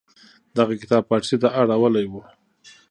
دغه کتاب پارسي ته اړولې و.